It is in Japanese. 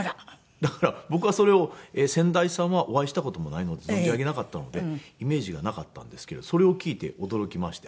だから僕はそれを先代さんはお会いした事もないので存じ上げなかったのでイメージがなかったんですけどそれを聞いて驚きまして。